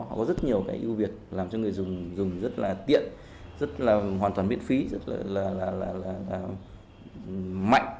họ có rất nhiều cái ưu việt làm cho người dùng dùng rất là tiện rất là hoàn toàn miễn phí rất là mạnh